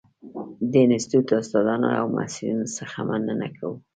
د انسټیټوت استادانو او محصلینو څخه مننه کوو.